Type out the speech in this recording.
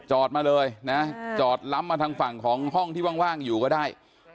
มาเลยนะจอดล้ำมาทางฝั่งของห้องที่ว่างอยู่ก็ได้